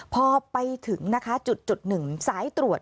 พอไปถึงนะคะจุดหนึ่งสายตรวจ